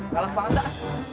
kalau apaan tak